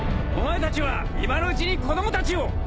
お前たちは今のうちに子供たちを！